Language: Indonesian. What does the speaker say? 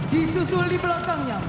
disusul di belakangnya